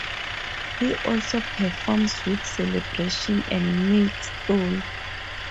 He also performs with Celebration and Mink Stole.